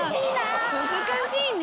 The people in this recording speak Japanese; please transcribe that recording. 難しいな。